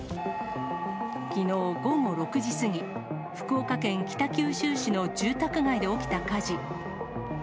きのう午後６時過ぎ、福岡県北九州市の住宅街で起きた火事。